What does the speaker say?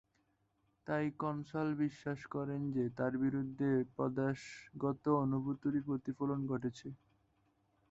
তাই কনসাল বিশ্বাস করেন যে, তাঁর বিরুদ্ধে প্রদেশগত অনুভূতিরই প্রতিফলন ঘটেছে।